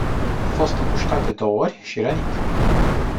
A fost împușcat de două ori și rănit.